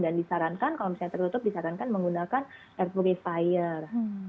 dan disarankan kalau misalnya tertutup disarankan menggunakan air purifier